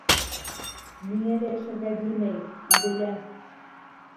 Миңә лә йәшәргә бирмәй, үҙе лә!